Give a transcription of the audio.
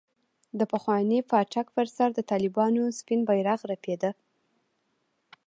د پخواني پاټک پر سر د طالبانو سپين بيرغ رپېده.